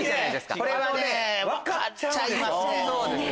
これはね分かっちゃいますね。